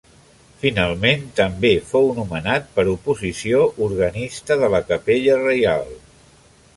Finalment també fou nomenat, per oposició, organista de la Capella Reial.